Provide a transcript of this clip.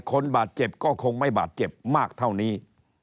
คนบาดเจ็บก็คงไม่บาดเจ็บมากเท่านี้